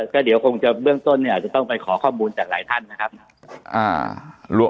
ก็เดี๋ยวคงจะเบื้องต้นเนี่ยอาจจะต้องไปขอข้อมูลจากหลายท่านนะครับ